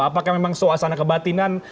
apakah memang suasana kebatinan